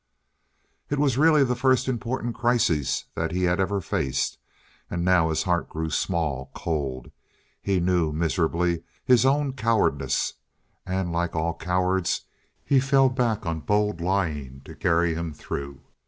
It was really the first important crisis that he had ever faced. And now his heart grew small, cold. He knew, miserably, his own cowardice. And like all cowards, he fell back on bold lying to carry him through.